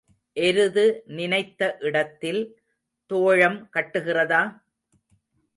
எருது நினைத்த இடத்தில் தோழம் கட்டுகிறதா?